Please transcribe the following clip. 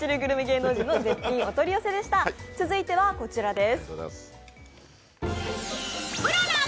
続いてはこちらです。